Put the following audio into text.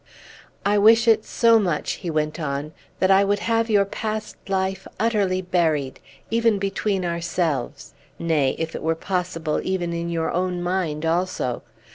"I wish it so much," he went on, "that I would have your past life utterly buried, even between ourselves; nay, if it were possible, even in your own mind also!